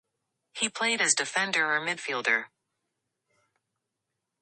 He played as defender or midfielder.